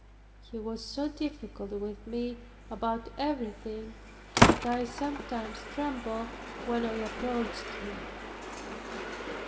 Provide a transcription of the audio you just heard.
He was so difficult with me about everything, that I sometimes trembled when I approached him.